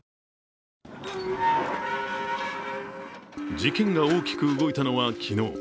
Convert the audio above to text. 事件が大きく動いたのは昨日。